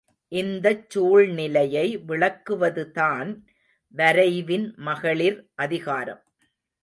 இந்தச் சூழ்நிலையை விளக்குவதுதான் வரைவின் மகளிர் அதிகாரம்.